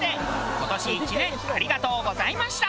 今年１年ありがとうございました。